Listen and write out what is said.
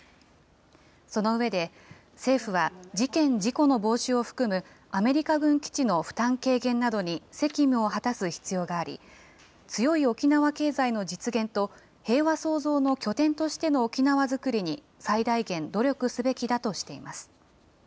その上で、政府は事件・事故の防止を含むアメリカ軍基地の負担軽減などに責務を果たす必要があり、強い沖縄経済の実現と、平和創造の拠点としての沖縄づくりに最大限努力すべきだとしています。